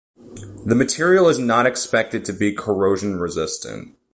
The material is not expected to be corrosion resistant.